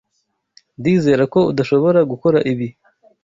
Ndizera ko udashobora gukora ibi.